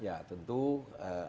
ya tentu ada skala ya